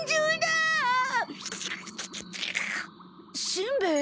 しんべヱ？